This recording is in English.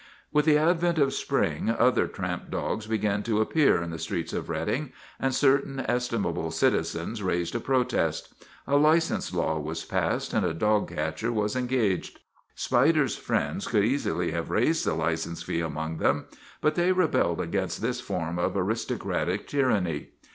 With the advent of spring other tramp dogs be gan to appear in the streets of Reading, and certain estimable citizens raised a protest. A license law was passed and a dog catcher was engaged. Spider's friends could easily have raised the license SPIDER OF THE NEWSIES 167 fee among them, but they rebelled against this form of aristocratic tyranny.